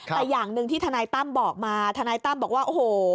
แต่อย่างหนึ่งที่ทนายตั้มบอกมาทนายตั้มบอกว่าโอ้โห